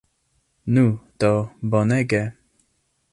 Nu do, bonege!